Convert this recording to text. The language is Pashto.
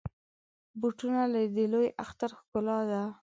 بوټونه د لوی اختر ښکلا ده.